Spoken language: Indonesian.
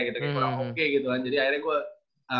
gitu kurang oke gitu jadi akhirnya gue